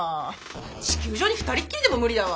地球上に２人っきりでも無理だわ。